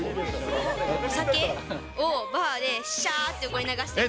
お酒をバーでしゃーって横に流して。